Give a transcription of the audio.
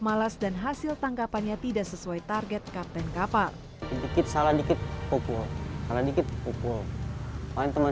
malas dan hasil tangkapannya tidak sesuai target kapten kapal dikit dikit pokok pokok yang teman